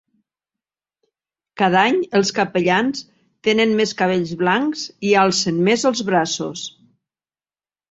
Cada any els capellans tenen més cabells blancs i alcen més els braços.